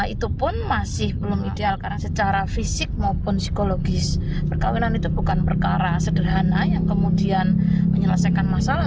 itu pun masih belum ideal karena secara fisik maupun psikologis perkawinan itu bukan perkara sederhana yang kemudian menyelesaikan masalah